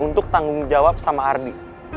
untuk tanggung jawab sama ardi